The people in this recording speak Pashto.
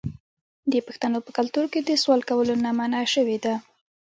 د پښتنو په کلتور کې د سوال کولو نه منع شوې ده.